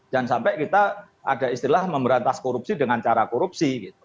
jangan sampai kita ada istilah memberantas korupsi dengan cara korupsi gitu